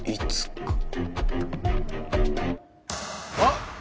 あっ！